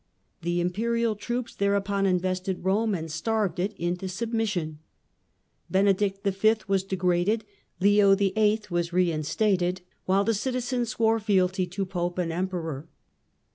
The imperial troops thereupon invested Eome, and starved it into submission. Benedict V. was de graded, Leo VIII. was reinstated, while the citizens swore fealty to Pope and Emperor.